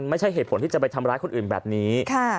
ไม่ใช่เหตุผลที่จะไปทำร้ายคนอื่นแบบนี้